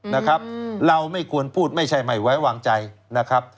นะครับเราไม่ควรพูดไม่ใช่ไม่ไว้วางใจนะครับ